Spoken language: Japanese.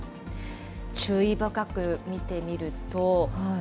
注意深く見てみると。